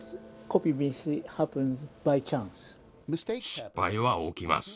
失敗は起きます。